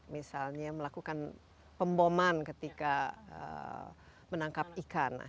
misalnya melakukan pemboman ketika menangkap ikan